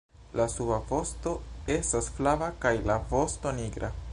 La suba vosto estas flava kaj la vosto nigra.